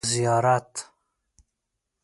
ـ زیارت.